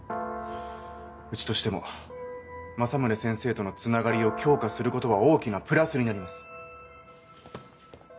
うちとしても政宗先生とのつながりを強化することは大きなプラスになります。